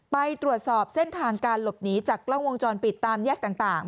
ไปตรวจสอบเส้นทางการหลบหนีจากกล้องวงจรปิดตามแยกต่าง